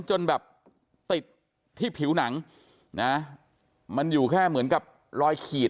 จนแบบติดที่ผิวหนังนะมันอยู่แค่เหมือนกับรอยขีด